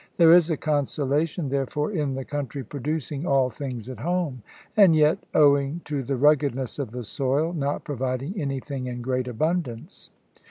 There is a consolation, therefore, in the country producing all things at home; and yet, owing to the ruggedness of the soil, not providing anything in great abundance.